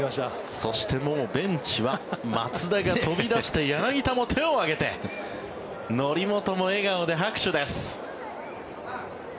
そして、ベンチは松田が飛び出して柳田も手を上げて則本も笑顔で拍手です。